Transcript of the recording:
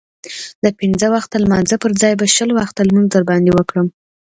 د پنځه وخته لمانځه پرځای به شل وخته لمونځ در باندې وکړم.